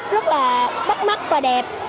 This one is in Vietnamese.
rất là bắt mắt và đẹp